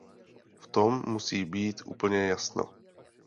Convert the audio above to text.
V tom musí být úplně jasno.